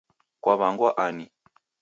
Kwaw'angwa ani?